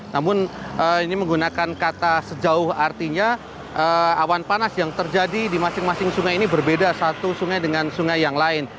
namun ini menggunakan kata sejauh artinya awan panas yang terjadi di masing masing sungai ini berbeda satu sungai dengan sungai yang lain